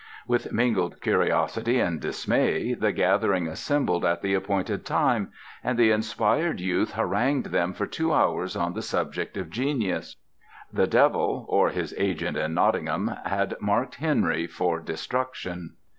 With mingled curiosity and dismay the gathering assembled at the appointed time, and the inspired youth harangued them for two hours on the subject of Genius. The devil, or his agent in Nottingham, had marked Henry for destruction.